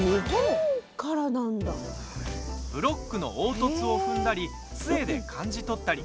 ブロックの凹凸を踏んだりつえで感じ取ったり。